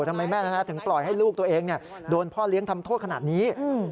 ทำไมแม่ถึงปล่อยให้ลูกตัวเองโดนพ่อเลี้ยงทำโทษขนาดนี้